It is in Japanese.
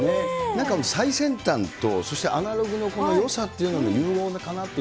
なんか最先端と、そしてアナログのよさっていうものの融合かなって。